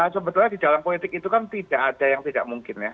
sebetulnya di dalam politik itu kan tidak ada yang tidak mungkin ya